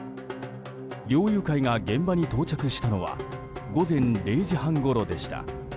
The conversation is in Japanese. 猟友会が現場に到着したのは午前０時半ごろでした。